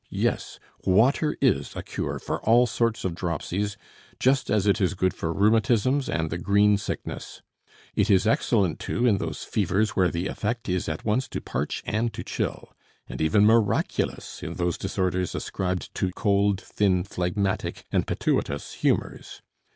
Yes, water is a cure for all sorts of dropsies, just as it is good for rheumatisms and the green sickness. It is excellent, too, in those fevers where the effect is at once to parch and to chill; and even miraculous in those disorders ascribed to cold, thin, phlegmatic, and pituitous humors.